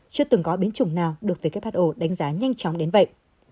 chưa từng có biến chủng nào được who đánh giá nhanh chóng đến vậy